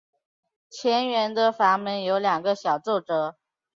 前缘的阀门有两个小皱褶。